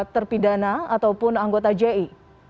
terpidana ataupun anggota ji